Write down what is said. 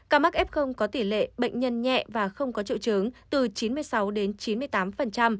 ca mắc f có tỷ lệ bệnh nhân nhẹ và không có triệu chứng từ chín mươi sáu đến chín mươi tám